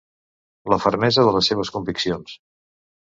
La fermesa de les seves conviccions.